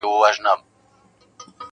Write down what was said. یو په بل کي ورکېدلای-